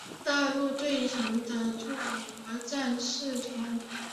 大陆最强的狩魔战士团。